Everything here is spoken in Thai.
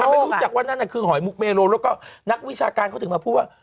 ไม่รู้จักว่านั่นคือหอยมุกเมโลแล้วก็นักวิชาการเขาถึงมาพูดว่า